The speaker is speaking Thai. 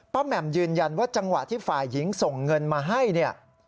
แหม่มยืนยันว่าจังหวะที่ฝ่ายหญิงส่งเงินมาให้เนี่ย